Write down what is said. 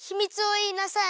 いいなさい！